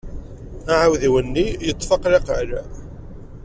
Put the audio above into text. Aɛudiw-nni yeṭṭef aqlaqal.